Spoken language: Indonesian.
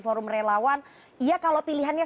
forum relawan ya kalau pilihannya